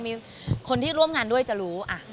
มีคนที่ร่วมงานด้วยจะรู้